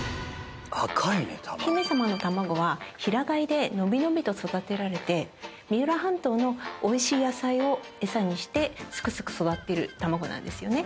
姫様のたまごは平飼いで伸び伸びと育てられて三浦半島のおいしい野菜を餌にしてすくすく育ってる卵なんですよね。